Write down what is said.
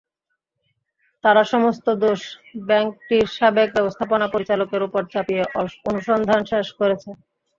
তারা সমস্ত দোষ ব্যাংকটির সাবেক ব্যবস্থাপনা পরিচালকের ওপর চাপিয়ে অনুসন্ধান শেষ করেছে।